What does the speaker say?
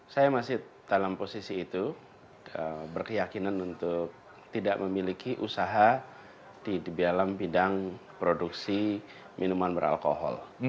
saya masih dalam posisi itu berkeyakinan untuk tidak memiliki usaha di dalam bidang produksi minuman beralkohol